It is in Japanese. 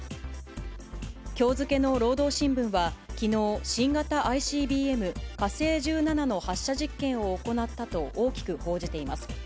きょう付けの労働新聞は、きのう、新型ＩＣＢＭ火星１７の発射実験を行ったと大きく報じています。